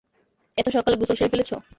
এত সকালে গোসল সেরে ফেলেছো?